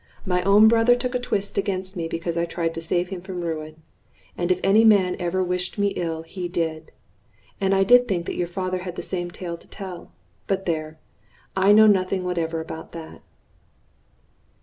My own brother took a twist against me because I tried to save him from ruin; and if any man ever wished me ill, he did. And I think that your father had the same tale to tell. But there! I know nothing whatever about that."